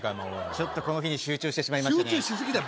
ちょっとこの日に集中してしまいましてね集中しすぎだよ